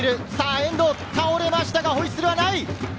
遠藤倒れましたが、ホイッスルはない。